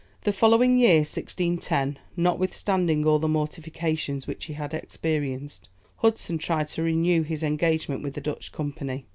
The following year, 1610, notwithstanding all the mortifications which he had experienced, Hudson tried to renew his engagement with the Dutch company.